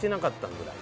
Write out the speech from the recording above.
ぐらい。